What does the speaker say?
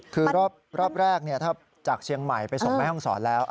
คือรอบแรกถ้าจากเชียงใหม่ไปส่งแม่ห้องศรแล้ว